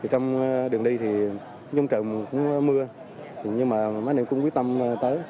trong đường đi thì giống trời cũng mưa nhưng mà anh em cũng quyết tâm tới